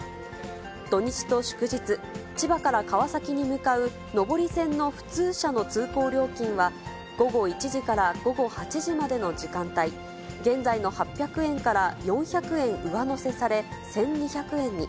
土日と祝日、千葉から川崎に向かう上り線の普通車の通行料金は、午後１時から午後８時までの時間帯、現在の８００円から４００円上乗せされ、１２００円に。